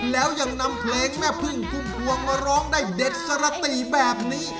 แล้วยังนำเพลงแม่พึ่งพุ่มพวงมาร้องได้เด็ดสรติแบบนี้